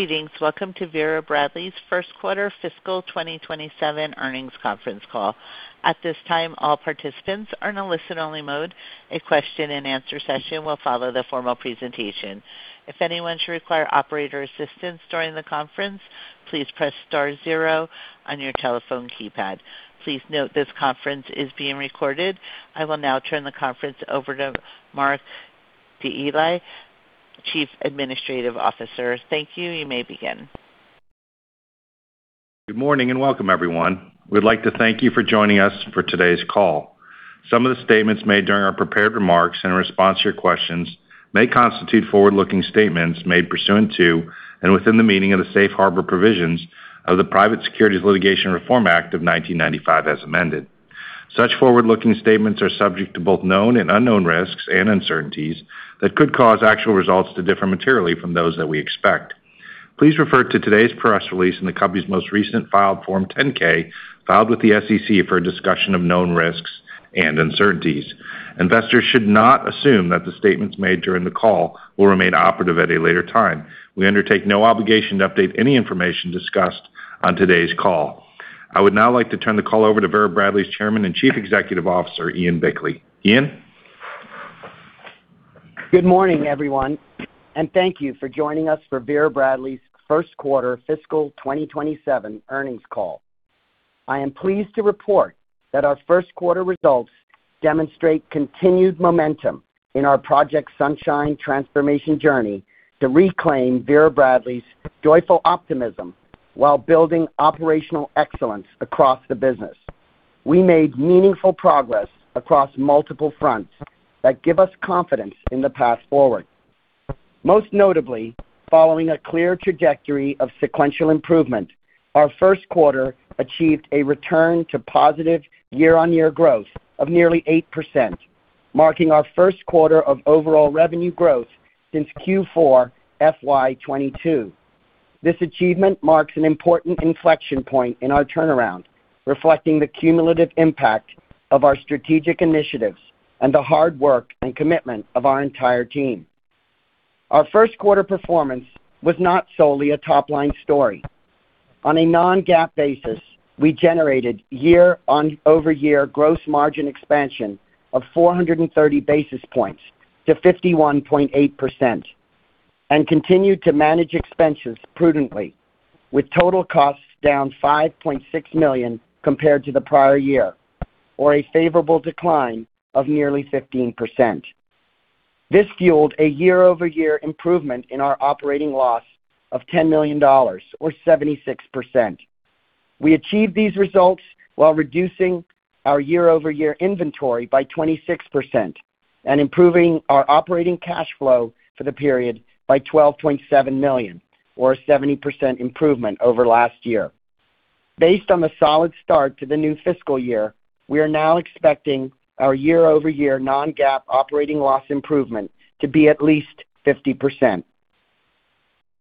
Greetings. Welcome to Vera Bradley's First Quarter Fiscal 2027 Earnings Conference Call. At this time, all participants are in a listen-only mode. A question and answer session will follow the formal presentation. If anyone should require operator assistance during the conference, please press star zero on your telephone keypad. Please note this conference is being recorded. I will now turn the conference over to Mark Dely, Chief Administrative Officer. Thank you. You may begin. Good morning, and welcome everyone. We'd like to thank you for joining us for today's call. Some of the statements made during our prepared remarks and in response to your questions may constitute forward-looking statements made pursuant to and within the meaning of the safe harbor provisions of the Private Securities Litigation Reform Act of 1995 as amended. Such forward-looking statements are subject to both known and unknown risks and uncertainties that could cause actual results to differ materially from those that we expect. Please refer to today's press release and the company's most recent filed Form 10-K filed with the SEC for a discussion of known risks and uncertainties. Investors should not assume that the statements made during the call will remain operative at a later time. We undertake no obligation to update any information discussed on today's call. I would now like to turn the call over to Vera Bradley's Chairman and Chief Executive Officer, Ian Bickley. Ian? Good morning, everyone, and thank you for joining us for Vera Bradley's first quarter fiscal 2027 earnings call. I am pleased to report that our first quarter results demonstrate continued momentum in our Project Sunshine transformation journey to reclaim Vera Bradley's joyful optimism while building operational excellence across the business. We made meaningful progress across multiple fronts that give us confidence in the path forward. Most notably, following a clear trajectory of sequential improvement, our first quarter achieved a return to positive year-on-year growth of nearly 8%, marking our first quarter of overall revenue growth since Q4 FY 2022. This achievement marks an important inflection point in our turnaround, reflecting the cumulative impact of our strategic initiatives and the hard work and commitment of our entire team. Our first quarter performance was not solely a top-line story. On a non-GAAP basis, we generated year-over-year gross margin expansion of 430 basis points to 51.8% and continued to manage expenses prudently, with total costs down $5.6 million compared to the prior year, or a favorable decline of nearly 15%. This fueled a year-over-year improvement in our operating loss of $10 million or 76%. We achieved these results while reducing our year-over-year inventory by 26% and improving our operating cash flow for the period by $12.7 million, or a 70% improvement over last year. Based on the solid start to the new fiscal year, we are now expecting our year-over-year non-GAAP operating loss improvement to be at least 50%.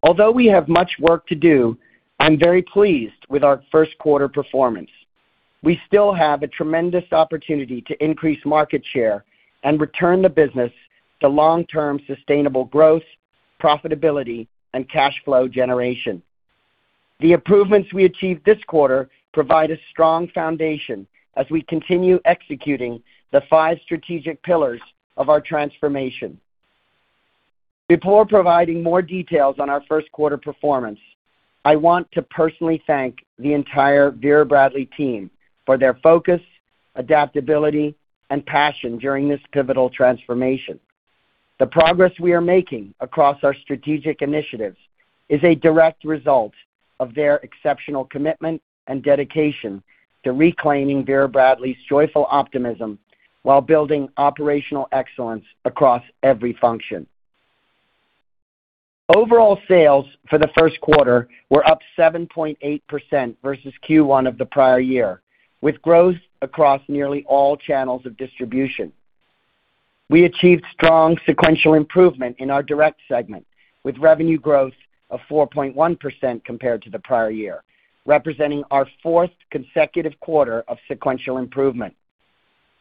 Although we have much work to do, I am very pleased with our first quarter performance. We still have a tremendous opportunity to increase market share and return the business to long-term sustainable growth, profitability, and cash flow generation. The improvements we achieved this quarter provide a strong foundation as we continue executing the five strategic pillars of our transformation. Before providing more details on our first quarter performance, I want to personally thank the entire Vera Bradley team for their focus, adaptability, and passion during this pivotal transformation. The progress we are making across our strategic initiatives is a direct result of their exceptional commitment and dedication to reclaiming Vera Bradley's joyful optimism while building operational excellence across every function. Overall sales for the first quarter were up 7.8% versus Q1 of the prior year, with growth across nearly all channels of distribution. We achieved strong sequential improvement in our direct segment with revenue growth of 4.1% compared to the prior year, representing our fourth consecutive quarter of sequential improvement.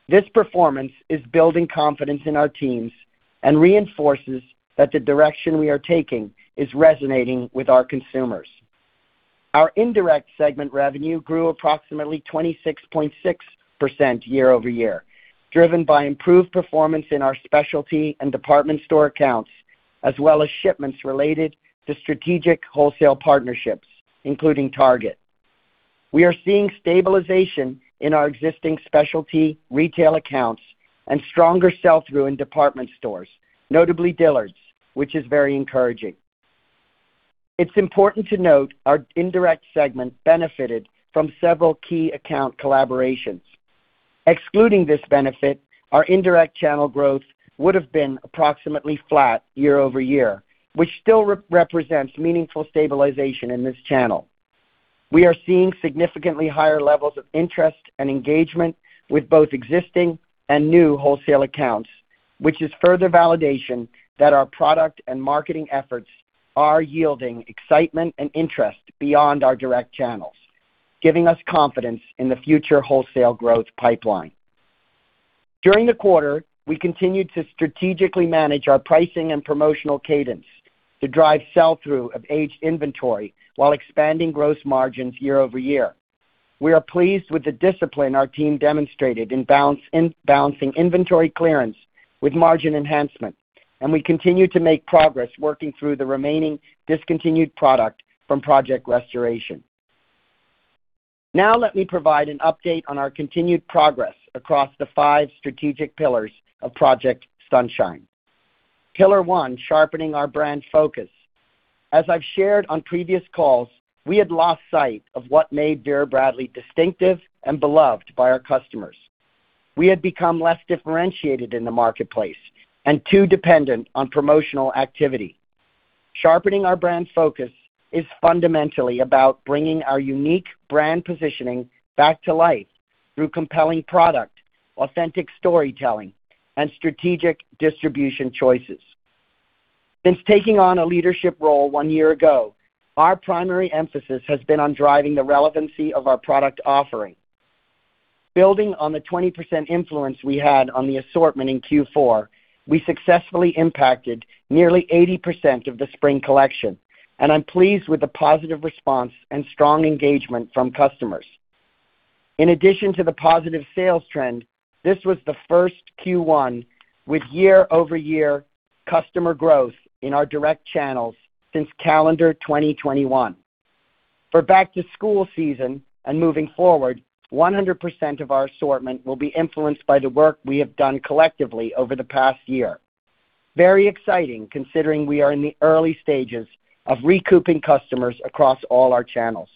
This performance is building confidence in our teams and reinforces that the direction we are taking is resonating with our consumers. Our indirect segment revenue grew approximately 26.6% year-over-year, driven by improved performance in our specialty and department store accounts, as well as shipments related to strategic wholesale partnerships, including Target. We are seeing stabilization in our existing specialty retail accounts and stronger sell-through in department stores, notably Dillard's, which is very encouraging. It is important to note our indirect segment benefited from several key account collaborations. Excluding this benefit, our indirect channel growth would have been approximately flat year-over-year, which still represents meaningful stabilization in this channel. We are seeing significantly higher levels of interest and engagement with both existing and new wholesale accounts, which is further validation that our product and marketing efforts are yielding excitement and interest beyond our direct channels, giving us confidence in the future wholesale growth pipeline. During the quarter, we continued to strategically manage our pricing and promotional cadence to drive sell-through of aged inventory while expanding gross margins year-over-year. We are pleased with the discipline our team demonstrated in balancing inventory clearance with margin enhancement, and we continue to make progress working through the remaining discontinued product from Project Restoration. Now let me provide an update on our continued progress across the five strategic pillars of Project Sunshine. Pillar one, sharpening our brand focus. As I have shared on previous calls, we had lost sight of what made Vera Bradley distinctive and beloved by our customers. We had become less differentiated in the marketplace and too dependent on promotional activity. Sharpening our brand focus is fundamentally about bringing our unique brand positioning back to life through compelling product, authentic storytelling, and strategic distribution choices. Since taking on a leadership role one year ago, our primary emphasis has been on driving the relevancy of our product offering. Building on the 20% influence we had on the assortment in Q4, we successfully impacted nearly 80% of the spring collection, and I'm pleased with the positive response and strong engagement from customers. In addition to the positive sales trend, this was the first Q1 with year-over-year customer growth in our direct channels since calendar 2021. For back-to-school season and moving forward, 100% of our assortment will be influenced by the work we have done collectively over the past year. Very exciting considering we are in the early stages of recouping customers across all our channels.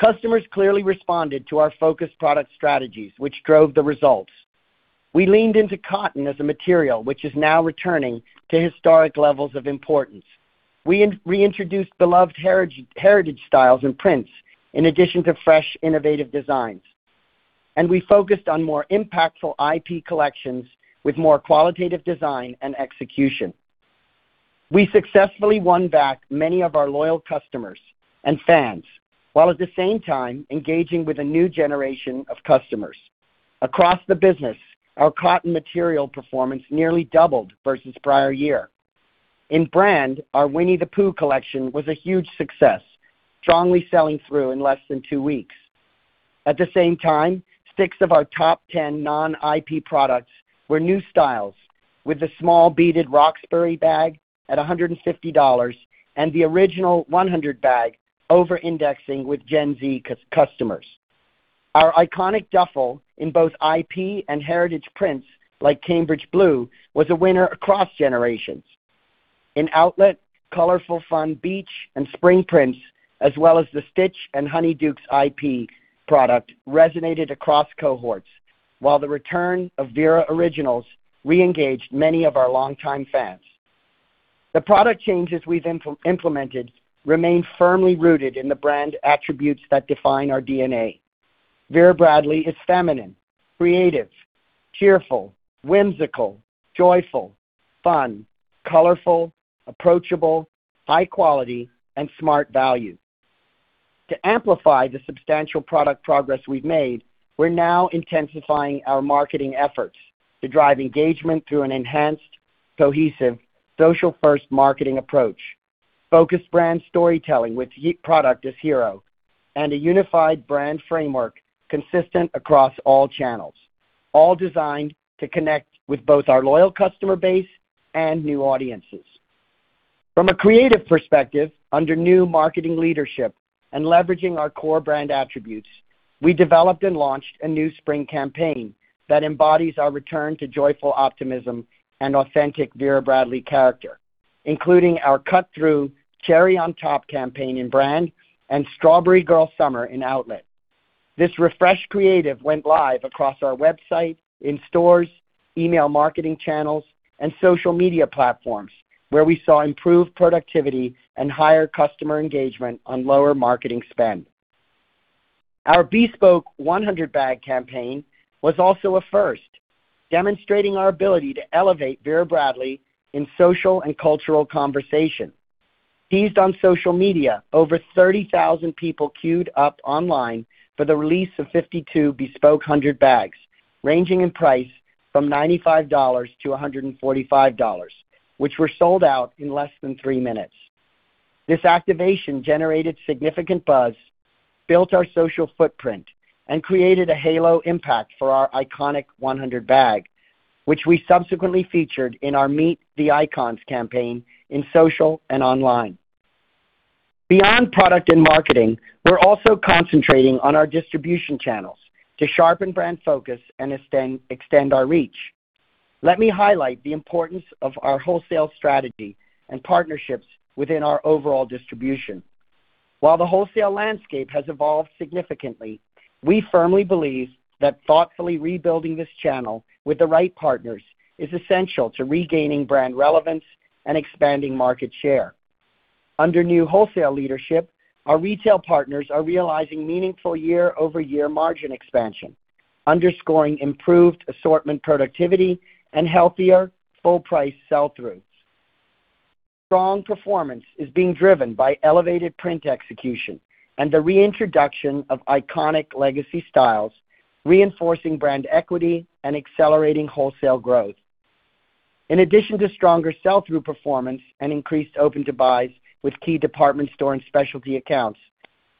Customers clearly responded to our focused product strategies, which drove the results. We leaned into cotton as a material, which is now returning to historic levels of importance. We reintroduced beloved heritage styles and prints in addition to fresh, innovative designs. We focused on more impactful IP collections with more qualitative design and execution. We successfully won back many of our loyal customers and fans, while at the same time engaging with a new generation of customers. Across the business, our cotton material performance nearly doubled versus prior year. In brand, our Winnie the Pooh collection was a huge success, strongly selling through in less than two weeks. At the same time, six of our top 10 non-IP products were new styles, with the small beaded Roxbury bag at $150 and the original 100 Bag over-indexing with Gen Z customers. Our iconic duffle in both IP and heritage prints, like Cambridge Blue, was a winner across generations. In outlet, colorful, fun beach and spring prints, as well as the Stitch and Honeydukes IP product resonated across cohorts, while the return of Vera Originals re-engaged many of our longtime fans. The product changes we've implemented remain firmly rooted in the brand attributes that define our DNA. Vera Bradley is feminine, creative, cheerful, whimsical, joyful, fun, colorful, approachable, high quality, and smart value. To amplify the substantial product progress we've made, we're now intensifying our marketing efforts to drive engagement through an enhanced, cohesive, social-first marketing approach, focused brand storytelling with product as hero, and a unified brand framework consistent across all channels, all designed to connect with both our loyal customer base and new audiences. From a creative perspective, under new marketing leadership and leveraging our core brand attributes, we developed and launched a new spring campaign that embodies our return to joyful optimism and authentic Vera Bradley character, including our cut-through Cherry On Top campaign in brand and Strawberry Girl Summer in outlet. This refreshed creative went live across our website, in stores, email marketing channels, and social media platforms, where we saw improved productivity and higher customer engagement on lower marketing spend. Our Bespoke 100 Bag campaign was also a first, demonstrating our ability to elevate Vera Bradley in social and cultural conversation. Teased on social media, over 30,000 people queued up online for the release of 52 Bespoke 100 bags, ranging in price from $95-$145, which were sold out in less than three minutes. This activation generated significant buzz, built our social footprint, and created a halo impact for our iconic 100 Bag, which we subsequently featured in our Meet the Icons campaign in social and online. Beyond product and marketing, we're also concentrating on our distribution channels to sharpen brand focus and extend our reach. Let me highlight the importance of our wholesale strategy and partnerships within our overall distribution. While the wholesale landscape has evolved significantly, we firmly believe that thoughtfully rebuilding this channel with the right partners is essential to regaining brand relevance and expanding market share. Under new wholesale leadership, our retail partners are realizing meaningful year-over-year margin expansion, underscoring improved assortment productivity, and healthier full price sell-throughs. Strong performance is being driven by elevated print execution and the reintroduction of iconic legacy styles, reinforcing brand equity and accelerating wholesale growth. In addition to stronger sell-through performance and increased open-to-buys with key department store and specialty accounts,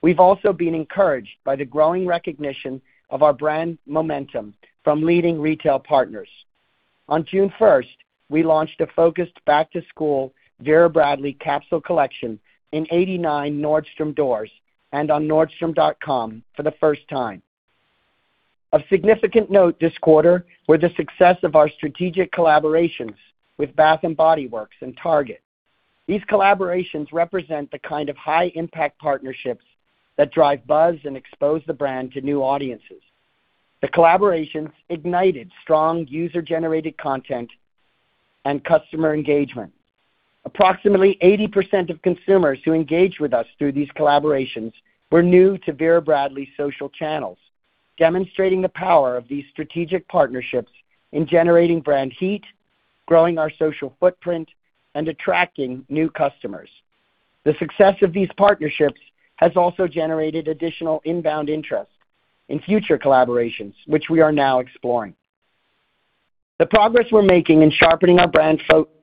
we've also been encouraged by the growing recognition of our brand momentum from leading retail partners. On June 1st, we launched a focused back-to-school Vera Bradley capsule collection in 89 Nordstrom doors and on nordstrom.com for the first time. Of significant note this quarter were the success of our strategic collaborations with Bath & Body Works and Target. These collaborations represent the kind of high-impact partnerships that drive buzz and expose the brand to new audiences. The collaborations ignited strong user-generated content and customer engagement. Approximately 80% of consumers who engaged with us through these collaborations were new to Vera Bradley's social channels, demonstrating the power of these strategic partnerships in generating brand heat, growing our social footprint, and attracting new customers. The success of these partnerships has also generated additional inbound interest in future collaborations, which we are now exploring. The progress we're making in sharpening our brand focus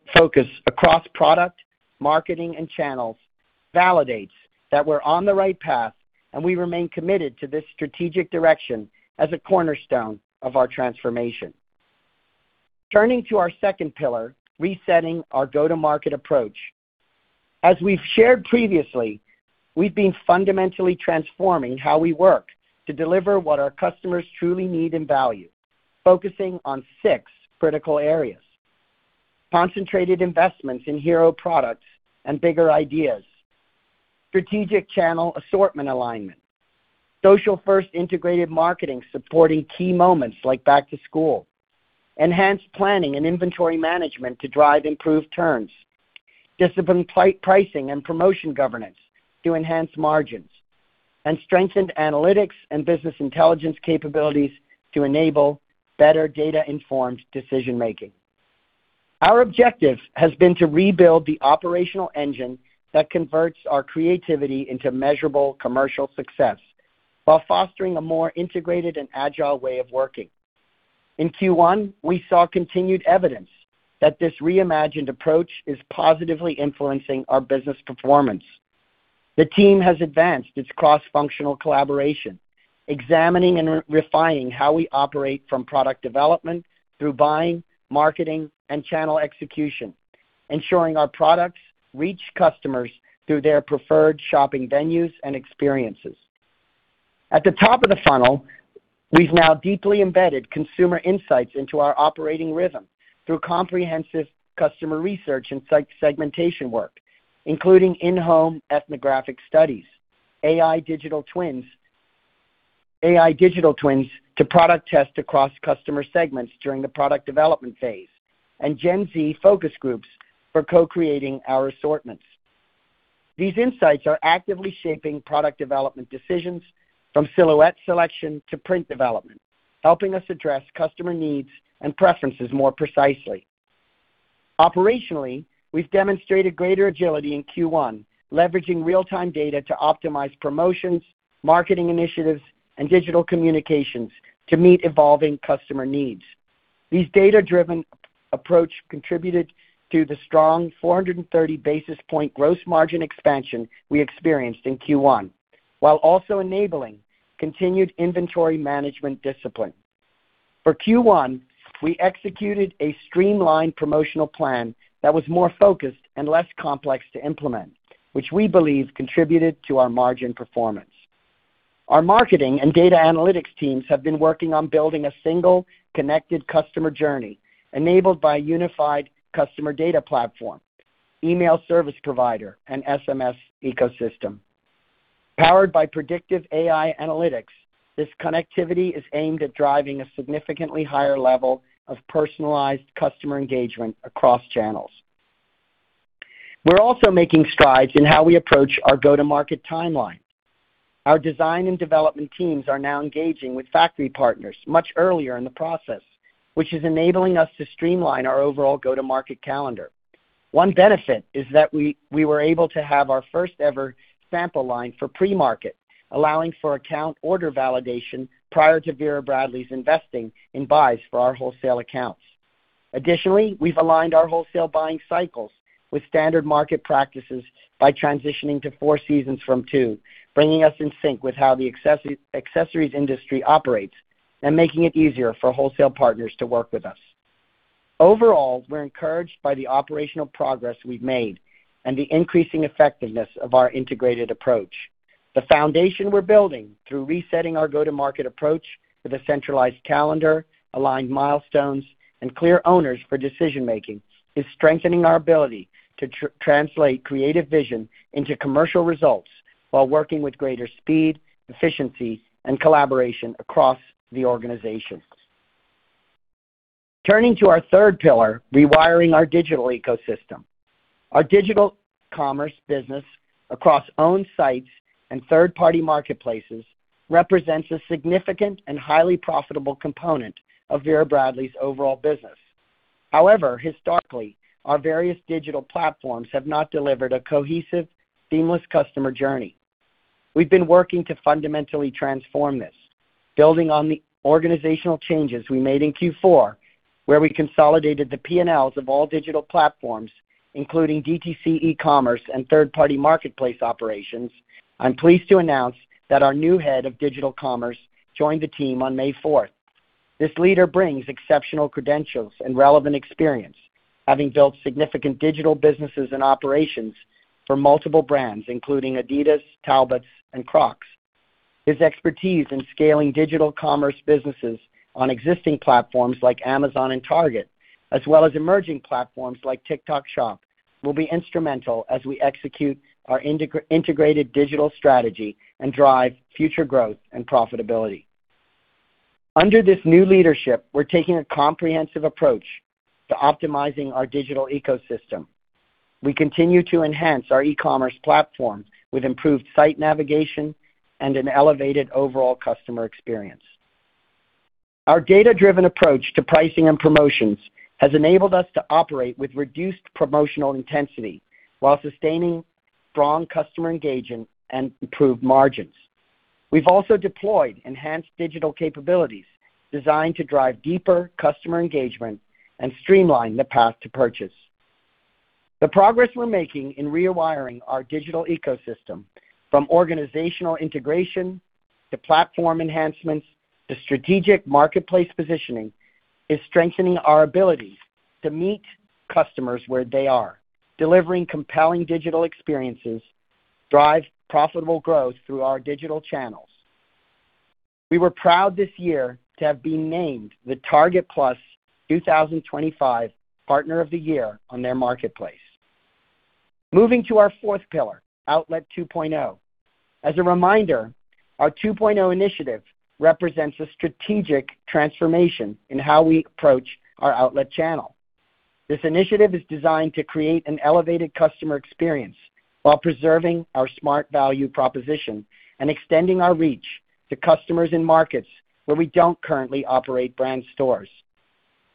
across product, marketing, and channels validates that we're on the right path, and we remain committed to this strategic direction as a cornerstone of our transformation. Turning to our second pillar, resetting our go-to-market approach. As we've shared previously, we've been fundamentally transforming how we work to deliver what our customers truly need and value, focusing on six critical areas. Concentrated investments in hero products and bigger ideas, strategic channel assortment alignment, social-first integrated marketing supporting key moments like back to school, enhanced planning and inventory management to drive improved turns, disciplined pricing and promotion governance to enhance margins, and strengthened analytics and business intelligence capabilities to enable better data-informed decision-making. Our objective has been to rebuild the operational engine that converts our creativity into measurable commercial success while fostering a more integrated and agile way of working. In Q1, we saw continued evidence that this reimagined approach is positively influencing our business performance. The team has advanced its cross-functional collaboration, examining and refining how we operate from product development through buying, marketing, and channel execution, ensuring our products reach customers through their preferred shopping venues and experiences. At the top of the funnel, we've now deeply embedded consumer insights into our operating rhythm through comprehensive customer research and segmentation work, including in-home ethnographic studies, AI digital twins to product test across customer segments during the product development phase, and Gen Z focus groups for co-creating our assortments. These insights are actively shaping product development decisions from silhouette selection to print development, helping us address customer needs and preferences more precisely. Operationally, we've demonstrated greater agility in Q1, leveraging real-time data to optimize promotions, marketing initiatives, and digital communications to meet evolving customer needs. These data-driven approach contributed to the strong 430 basis point gross margin expansion we experienced in Q1, while also enabling continued inventory management discipline. For Q1, we executed a streamlined promotional plan that was more focused and less complex to implement, which we believe contributed to our margin performance. Our marketing and data analytics teams have been working on building a single connected customer journey enabled by a unified customer data platform, email service provider, and SMS ecosystem. Powered by predictive AI analytics, this connectivity is aimed at driving a significantly higher level of personalized customer engagement across channels. We're also making strides in how we approach our go-to-market timeline. Our design and development teams are now engaging with factory partners much earlier in the process, which is enabling us to streamline our overall go-to-market calendar. One benefit is that we were able to have our first-ever sample line for pre-market, allowing for account order validation prior to Vera Bradley's investing in buys for our wholesale accounts. Additionally, we've aligned our wholesale buying cycles with standard market practices by transitioning to four seasons from two, bringing us in sync with how the accessories industry operates and making it easier for wholesale partners to work with us. Overall, we're encouraged by the operational progress we've made and the increasing effectiveness of our integrated approach. The foundation we're building through resetting our go-to-market approach with a centralized calendar, aligned milestones, and clear owners for decision-making is strengthening our ability to translate creative vision into commercial results while working with greater speed, efficiency, and collaboration across the organization. Turning to our third pillar, rewiring our digital ecosystem. Our digital-Commerce business across owned sites and third-party marketplaces represents a significant and highly profitable component of Vera Bradley's overall business. Historically, our various digital platforms have not delivered a cohesive, seamless customer journey. We've been working to fundamentally transform this, building on the organizational changes we made in Q4, where we consolidated the P&Ls of all digital platforms, including DTC e-commerce and third-party marketplace operations. I'm pleased to announce that our new head of digital commerce joined the team on May 4th. This leader brings exceptional credentials and relevant experience, having built significant digital businesses and operations for multiple brands, including Adidas, Talbots, and Crocs. His expertise in scaling digital commerce businesses on existing platforms like Amazon and Target, as well as emerging platforms like TikTok Shop, will be instrumental as we execute our integrated digital strategy and drive future growth and profitability. Under this new leadership, we're taking a comprehensive approach to optimizing our digital ecosystem. We continue to enhance our e-commerce platform with improved site navigation and an elevated overall customer experience. Our data-driven approach to pricing and promotions has enabled us to operate with reduced promotional intensity while sustaining strong customer engagement and improved margins. We've also deployed enhanced digital capabilities designed to drive deeper customer engagement and streamline the path to purchase. The progress we're making in rewiring our digital ecosystem, from organizational integration to platform enhancements to strategic marketplace positioning, is strengthening our ability to meet customers where they are. Delivering compelling digital experiences drives profitable growth through our digital channels. We were proud this year to have been named the Target Plus 2025 Partner of the Year on their marketplace. Moving to our fourth pillar, Outlet 2.0. As a reminder, our Outlet 2.0 initiative represents a strategic transformation in how we approach our outlet channel. This initiative is designed to create an elevated customer experience while preserving our smart value proposition and extending our reach to customers in markets where we don't currently operate brand stores.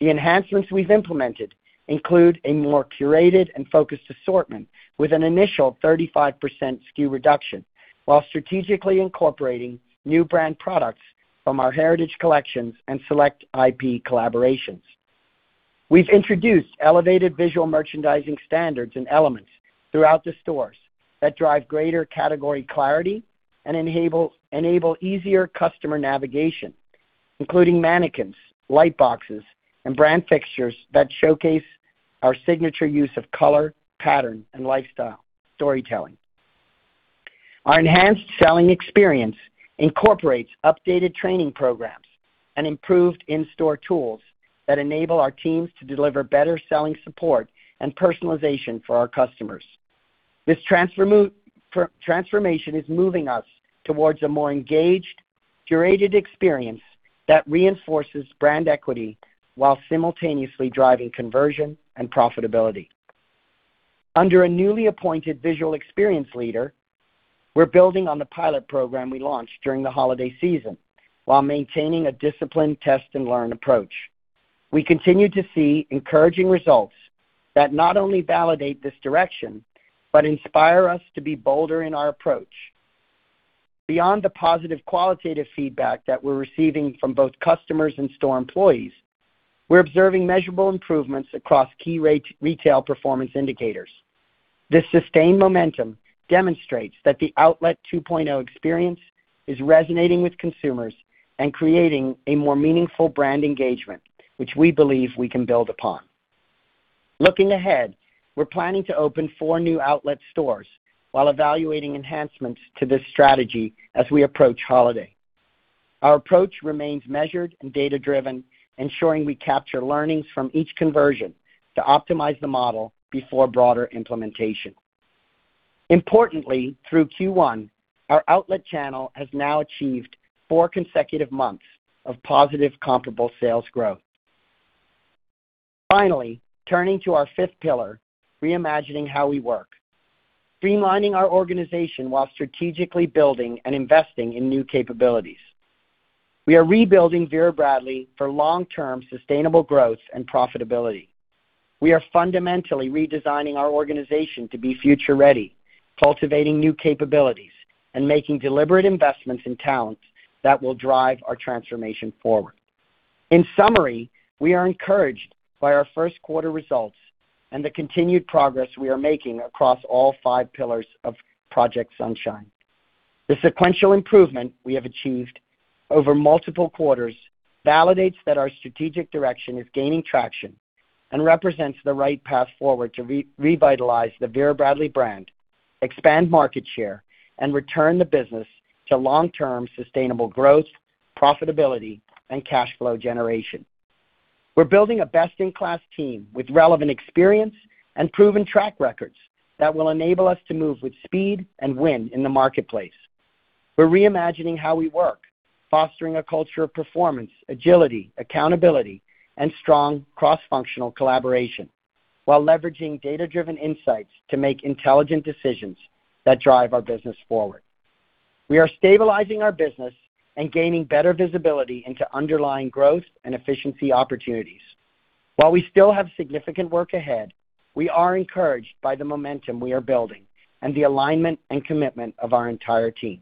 The enhancements we've implemented include a more curated and focused assortment with an initial 35% SKU reduction while strategically incorporating new brand products from our heritage collections and select IP collaborations. We've introduced elevated visual merchandising standards and elements throughout the stores that drive greater category clarity and enable easier customer navigation, including mannequins, light boxes, and brand fixtures that showcase our signature use of color, pattern, and lifestyle storytelling. Our enhanced selling experience incorporates updated training programs and improved in-store tools that enable our teams to deliver better selling support and personalization for our customers. This transformation is moving us towards a more engaged, curated experience that reinforces brand equity while simultaneously driving conversion and profitability. Under a newly appointed visual experience leader, we're building on the pilot program we launched during the holiday season while maintaining a disciplined test-and-learn approach. We continue to see encouraging results that not only validate this direction but inspire us to be bolder in our approach. Beyond the positive qualitative feedback that we're receiving from both customers and store employees, we're observing measurable improvements across key retail performance indicators. This sustained momentum demonstrates that the Outlet 2.0 experience is resonating with consumers and creating a more meaningful brand engagement, which we believe we can build upon. Looking ahead, we're planning to open four new outlet stores while evaluating enhancements to this strategy as we approach holiday. Our approach remains measured and data-driven, ensuring we capture learnings from each conversion to optimize the model before broader implementation. Importantly, through Q1, our outlet channel has now achieved four consecutive months of positive comparable sales growth. Finally, turning to our fifth pillar, reimagining how we work. Streamlining our organization while strategically building and investing in new capabilities. We are rebuilding Vera Bradley for long-term sustainable growth and profitability. We are fundamentally redesigning our organization to be future-ready, cultivating new capabilities and making deliberate investments in talent that will drive our transformation forward. In summary, we are encouraged by our first quarter results and the continued progress we are making across all five pillars of Project Sunshine. The sequential improvement we have achieved over multiple quarters validates that our strategic direction is gaining traction and represents the right path forward to revitalize the Vera Bradley brand, expand market share, and return the business to long-term sustainable growth, profitability, and cash flow generation. We're building a best-in-class team with relevant experience and proven track records that will enable us to move with speed and win in the marketplace. We're reimagining how we work, fostering a culture of performance, agility, accountability, and strong cross-functional collaboration while leveraging data-driven insights to make intelligent decisions that drive our business forward. We are stabilizing our business and gaining better visibility into underlying growth and efficiency opportunities. While we still have significant work ahead, we are encouraged by the momentum we are building and the alignment and commitment of our entire team.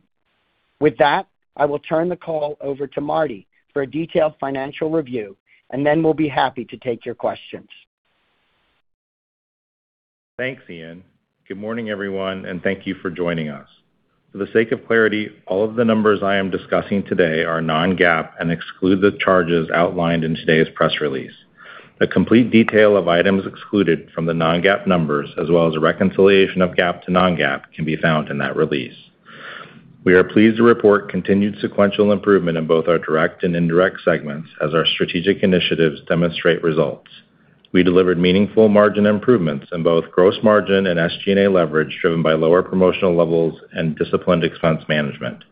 With that, I will turn the call over to Martin for a detailed financial review, and then we'll be happy to take your questions. Thanks, Ian. Good morning, everyone, and thank you for joining us. For the sake of clarity, all of the numbers I am discussing today are non-GAAP and exclude the charges outlined in today's press release. A complete detail of items excluded from the non-GAAP numbers, as well as a reconciliation of GAAP to non-GAAP, can be found in that release. We are pleased to report continued sequential improvement in both our direct and indirect segments as our strategic initiatives demonstrate results. We delivered meaningful margin improvements in both gross margin and SG&A leverage, driven by lower promotional levels and disciplined expense management.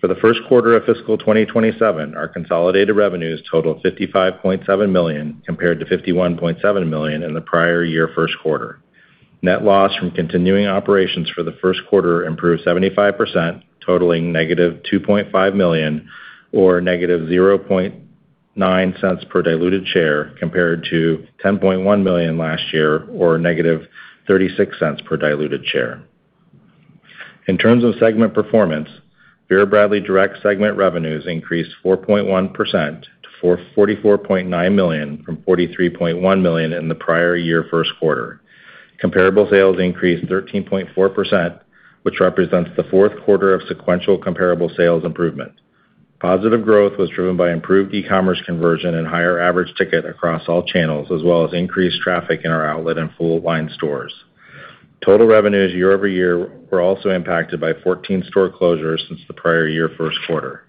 For the first quarter of fiscal 2027, our consolidated revenues totaled $55.7 million, compared to $51.7 million in the prior year first quarter. Net loss from continuing operations for the first quarter improved 75%, totaling -$2.5 million, or -$0.09 per diluted share, compared to $10.1 million last year, or -$0.36 per diluted share. In terms of segment performance, Vera Bradley direct segment revenues increased 4.1% to $44.9 million from $43.1 million in the prior year first quarter. Comparable sales increased 13.4%, which represents the fourth quarter of sequential comparable sales improvement. Positive growth was driven by improved e-commerce conversion and higher average ticket across all channels, as well as increased traffic in our outlet and full line stores. Total revenues year-over-year were also impacted by 14 store closures since the prior year first quarter.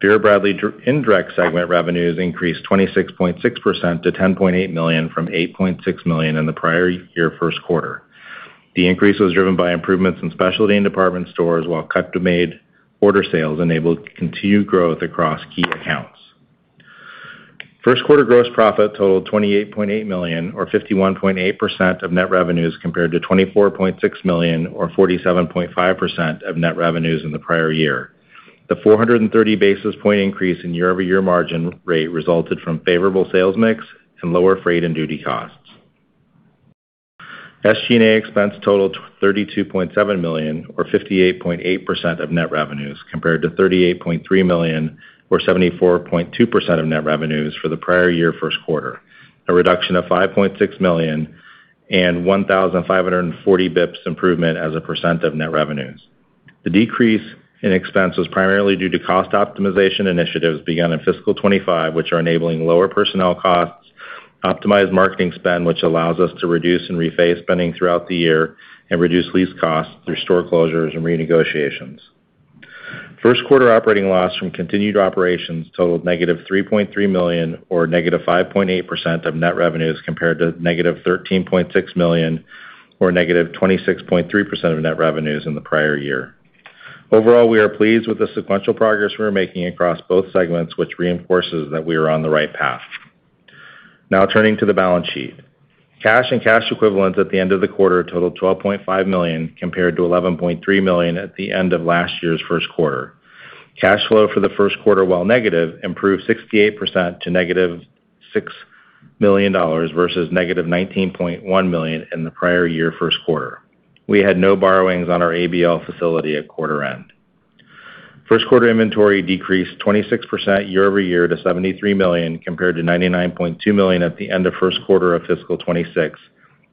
Vera Bradley indirect segment revenues increased 26.6% to $10.8 million from $8.6 million in the prior year first quarter. The increase was driven by improvements in specialty and department stores, while custom-made order sales enabled continued growth across key accounts. First quarter gross profit totaled $28.8 million, or 51.8% of net revenues, compared to $24.6 million, or 47.5% of net revenues in the prior year. The 430 basis point increase in year-over-year margin rate resulted from favorable sales mix and lower freight and duty costs. SG&A expense totaled $32.7 million, or 58.8% of net revenues, compared to $38.3 million, or 74.2% of net revenues for the prior year first quarter, a reduction of $5.6 million and 1,540 basis points improvement as a percent of net revenues. The decrease in expense was primarily due to cost optimization initiatives begun in fiscal 2025, which are enabling lower personnel costs, optimized marketing spend, which allows us to reduce and rephase spending throughout the year and reduce lease costs through store closures and renegotiations. First quarter operating loss from continued operations totaled -$3.3 million, or -5.8% of net revenues, compared to -$13.6 million, or negative 26.3% of net revenues in the prior year. Overall, we are pleased with the sequential progress we are making across both segments, which reinforces that we are on the right path. Now turning to the balance sheet. Cash and cash equivalents at the end of the quarter totaled $12.5 million, compared to $11.3 million at the end of last year's first quarter. Cash flow for the first quarter, while negative, improved 68% to -$6 million versus -$19.1 million in the prior year first quarter. We had no borrowings on our ABL facility at quarter end. First quarter inventory decreased 26% year-over-year to $73 million, compared to $99.2 million at the end of first quarter of fiscal 2026,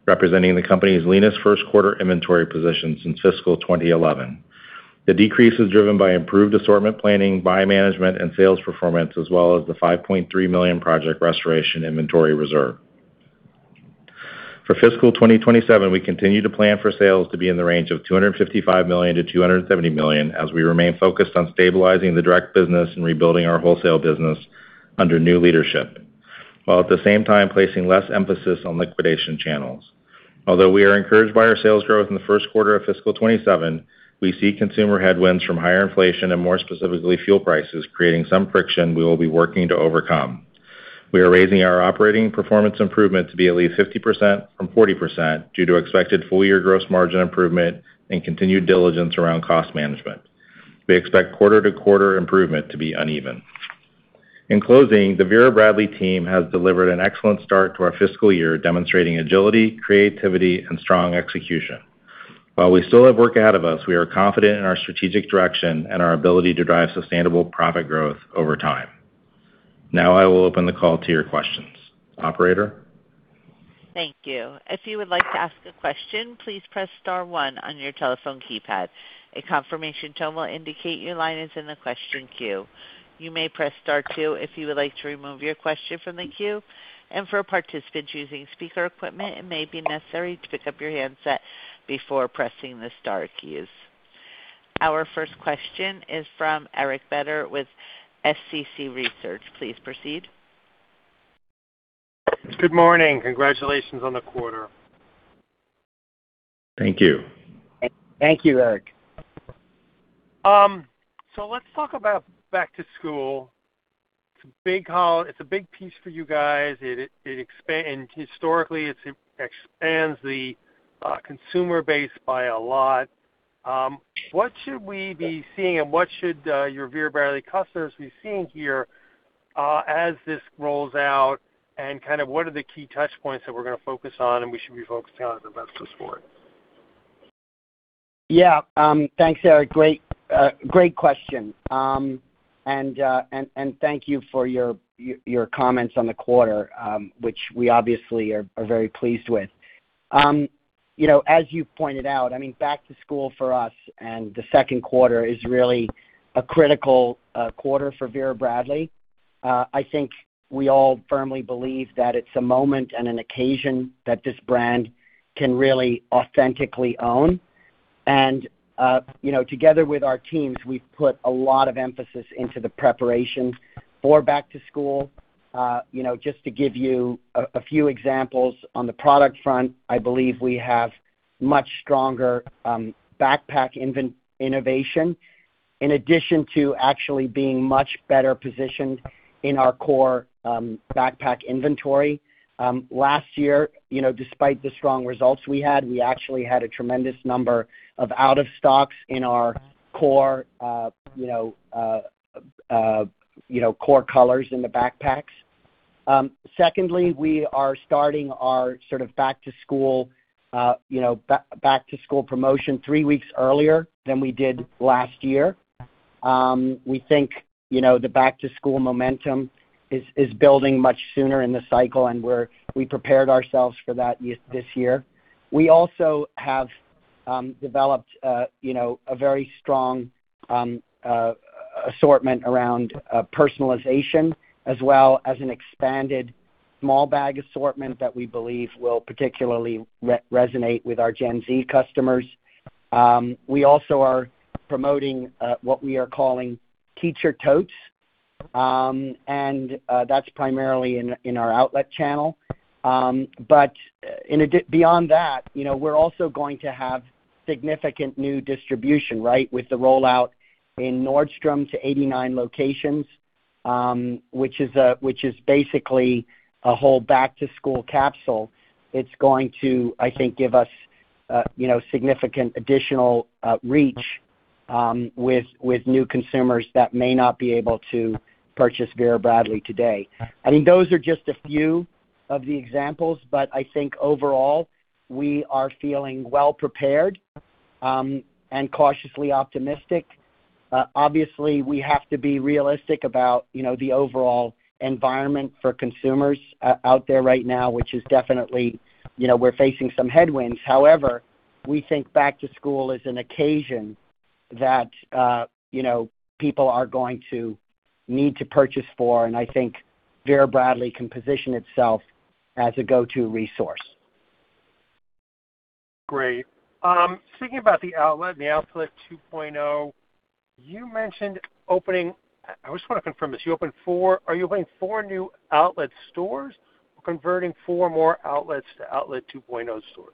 representing the company's leanest first quarter inventory position since fiscal 2011. The decrease is driven by improved assortment planning, buy management, and sales performance, as well as the $5.3 million Project Restoration inventory reserve. For fiscal 2027, we continue to plan for sales to be in the range of $255 million-$270 million as we remain focused on stabilizing the direct business and rebuilding our wholesale business under new leadership, while at the same time placing less emphasis on liquidation channels. Although we are encouraged by our sales growth in the first quarter of fiscal 2027, we see consumer headwinds from higher inflation and more specifically, fuel prices, creating some friction we will be working to overcome. We are raising our operating performance improvement to be at least 50% from 40% due to expected full year gross margin improvement and continued diligence around cost management. We expect quarter-to-quarter improvement to be uneven. In closing, the Vera Bradley team has delivered an excellent start to our fiscal year, demonstrating agility, creativity, and strong execution. While we still have work ahead of us, we are confident in our strategic direction and our ability to drive sustainable profit growth over time. Now I will open the call to your questions. Operator? Thank you. If you would like to ask a question, please press star one on your telephone keypad. A confirmation tone will indicate your line is in the question queue. You may press star two if you would like to remove your question from the queue. For participants using speaker equipment, it may be necessary to pick up your handset before pressing the star keys. Our first question is from Eric Beder with SCC Research. Please proceed. Good morning. Congratulations on the quarter. Thank you. Thank you, Eric. Let's talk about back to school. It's a big piece for you guys. Historically, it expands the consumer base by a lot. What should we be seeing and what should your Vera Bradley customers be seeing here as this rolls out, and what are the key touch points that we're going to focus on and we should be focusing on as the rest of us for it? Thanks, Eric. Great question. Thank you for your comments on the quarter, which we obviously are very pleased with. As you pointed out, back to school for us and the second quarter is really a critical quarter for Vera Bradley. I think we all firmly believe that it's a moment and an occasion that this brand can really authentically own. Together with our teams, we've put a lot of emphasis into the preparation for back to school. Just to give you a few examples, on the product front, I believe we have much stronger backpack innovation, in addition to actually being much better positioned in our core backpack inventory. Last year, despite the strong results we had, we actually had a tremendous number of out-of-stocks in our core colors in the backpacks. Secondly, we are starting our back to school promotion three weeks earlier than we did last year. We think the back to school momentum is building much sooner in the cycle, and we prepared ourselves for that this year. We also have developed a very strong assortment around personalization as well as an expanded small bag assortment that we believe will particularly resonate with our Gen Z customers. We also are promoting what we are calling teacher totes, and that's primarily in our outlet channel. Beyond that, we're also going to have significant new distribution with the rollout in Nordstrom to 89 locations, which is basically a whole back to school capsule. It's going to, I think, give us significant additional reach with new consumers that may not be able to purchase Vera Bradley today. I think those are just a few of the examples, I think overall, we are feeling well-prepared and cautiously optimistic. Obviously, we have to be realistic about the overall environment for consumers out there right now, which is definitely we're facing some headwinds. However, we think back to school as an occasion that people are going to need to purchase for, and I think Vera Bradley can position itself as a go-to resource. Great. Speaking about the outlet and the Outlet 2.0, you mentioned opening. I just want to confirm this. Are you opening four new outlet stores or converting four more outlets to Outlet 2.0 stores?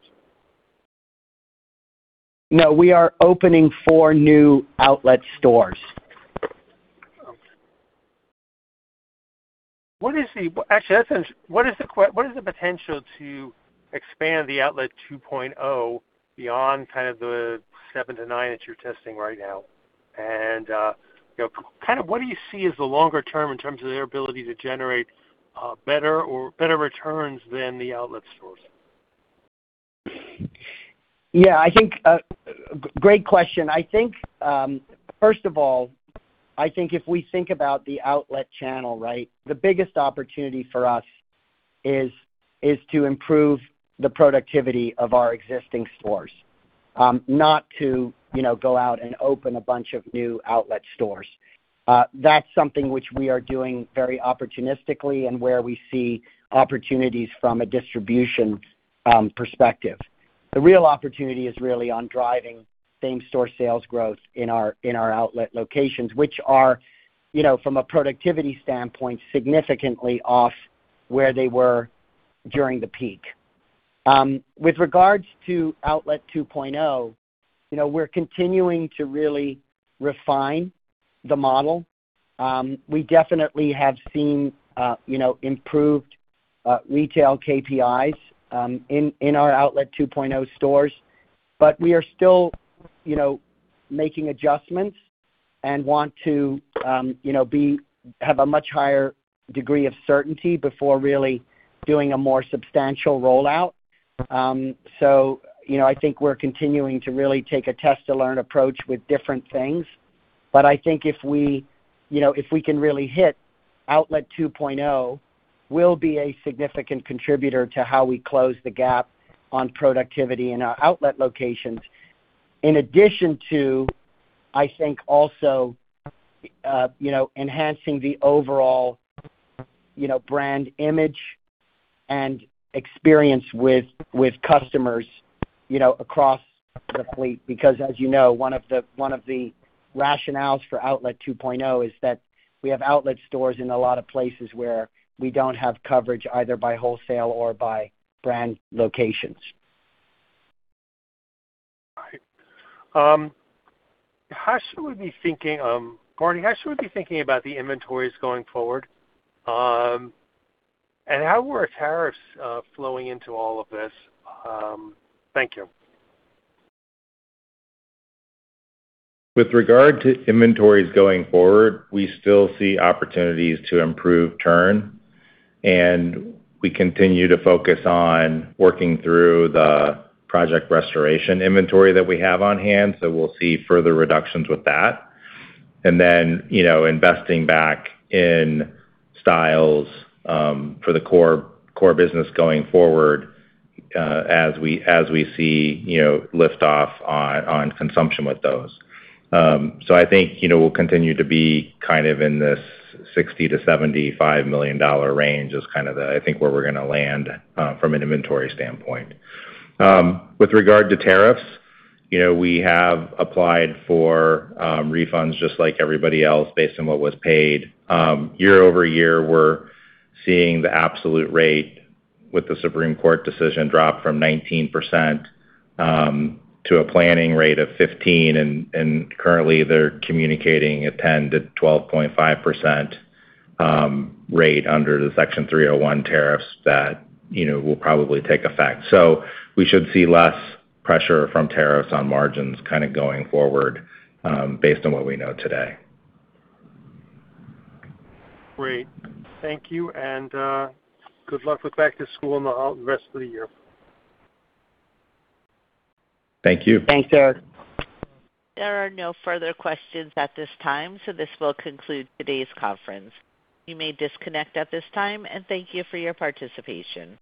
No, we are opening four new outlet stores. Okay. What is the potential to expand the Outlet 2.0 beyond the seven to nine that you're testing right now? What do you see as the longer term in terms of their ability to generate better returns than the outlet stores? Yeah. Great question. First of all, I think if we think about the outlet channel, the biggest opportunity for us is to improve the productivity of our existing stores. Not to go out and open a bunch of new outlet stores. That's something which we are doing very opportunistically and where we see opportunities from a distribution perspective. The real opportunity is really on driving same-store sales growth in our outlet locations. Which are, from a productivity standpoint, significantly off where they were during the peak. With regards to Outlet 2.0, we're continuing to really refine the model. We definitely have seen improved retail KPIs in our Outlet 2.0 stores, but we are still making adjustments and want to have a much higher degree of certainty before really doing a more substantial rollout. I think we're continuing to really take a test-to-learn approach with different things. I think if we can really hit Outlet 2.0, we'll be a significant contributor to how we close the gap on productivity in our outlet locations. In addition to, I think also enhancing the overall brand image and experience with customers across the fleet, because as you know, one of the rationales for Outlet 2.0 is that we have outlet stores in a lot of places where we don't have coverage, either by wholesale or by brand locations. Right. Martin, how should we be thinking about the inventories going forward? How are tariffs flowing into all of this? Thank you. With regard to inventories going forward, we still see opportunities to improve turn, and we continue to focus on working through the Project Restoration inventory that we have on hand. We'll see further reductions with that. Then investing back in styles for the core business going forward, as we see lift off on consumption with those. I think we'll continue to be in this $60 million-$75 million range is the I think where we're going to land from an inventory standpoint. With regard to tariffs, we have applied for refunds just like everybody else, based on what was paid. Year-over-year, we're seeing the absolute rate with the Supreme Court decision drop from 19%-15%, and currently they're communicating a 10%-12.5% rate under the Section 301 tariffs that will probably take effect. We should see less pressure from tariffs on margins going forward, based on what we know today. Great. Thank you. Good luck with back to school and the rest of the year. Thank you. Thanks, Eric. There are no further questions at this time. This will conclude today's conference. You may disconnect at this time. Thank you for your participation.